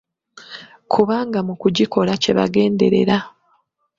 Kubanga mu kugikola kye bagenderera.